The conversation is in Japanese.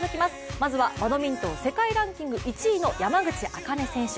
まずはバドミントン世界ランキング１位の山口茜選手。